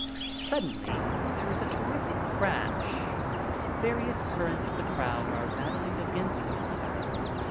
Suddenly there is a terrific crash. Various currents of the crowd are battling against one another.